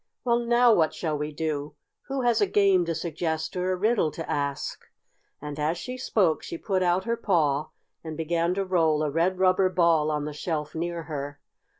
Well, now what shall we do? Who has a game to suggest or a riddle to ask?" and, as she spoke, she put out her paw and began to roll a red rubber ball on the shelf near her.